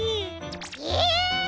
え！